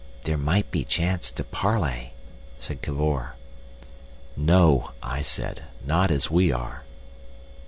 "There might be a chance to parley," said Cavor. "No," I said. "Not as we are."